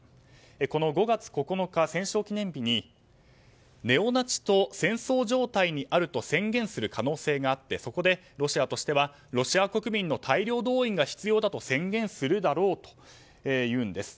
この５月９日、戦勝記念日にネオナチと戦争状態にあると宣言する可能性があってそこでロシアとしてはロシア国民の大量動員が必要だと宣言するだろうというのです。